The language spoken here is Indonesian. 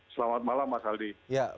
selamat malam mas aldi